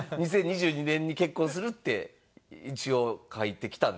「２０２２年に結婚する」って一応書いてきたんですよ。